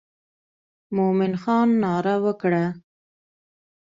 مومن خان ناره وکړه.